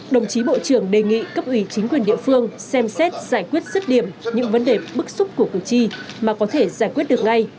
đồng chí bộ trưởng đề nghị cấp ủy chính quyền địa phương xem xét giải quyết sức điểm những vấn đề bức xúc của cử tri mà có thể giải quyết được ngay